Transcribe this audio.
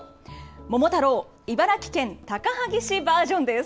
桃太郎、茨城県高萩市バージョンです。